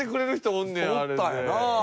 おったんやな。